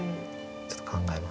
ちょっと考えます。